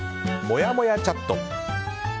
もやもやチャット。